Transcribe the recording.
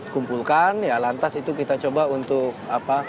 kumpulkan ya lantas itu kita coba untuk apa